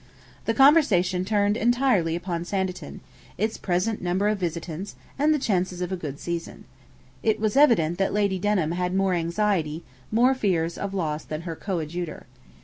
'The conversation turned entirely upon Sanditon, its present number of visitants, and the chances of a good season. It was evident that Lady Denham had more anxiety, more fears of loss than her coadjutor.